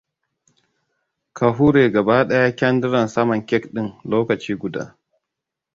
Ka hure gaba ɗaya kyandiran saman kek ɗin lokaci guda.